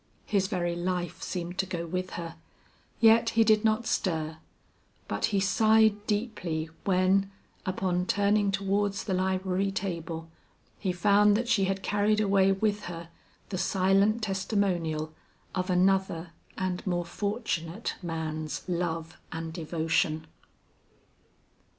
His very life seemed to go with her, yet he did not stir; but he sighed deeply when, upon turning towards the library table, he found that she had carried away with her the silent testimonial of another and more fortunate man's love and devotion.